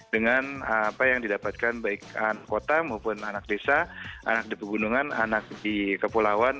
dengan apa yang didapatkan baik anak kota maupun anak desa anak di pegunungan anak di kepulauan